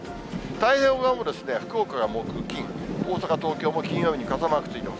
太平洋側も福岡が木、金、大阪、東京も金曜日に傘マークついています。